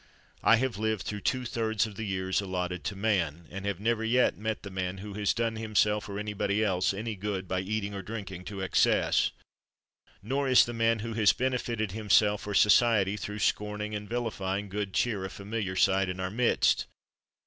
I have lived through two thirds of the years allotted to man, and have never yet met the man who has done himself, or anybody else, any good by eating or drinking to excess. Nor is the man who has benefited himself, or society, through scorning and vilifying good cheer, a familiar sight in our midst.